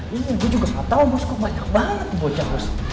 nah ini gue juga nggak tahu bos kok banyak banget ocak bos